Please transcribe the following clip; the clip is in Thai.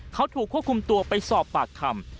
เขาถูกควบคุมตัวไปสอบปากคำ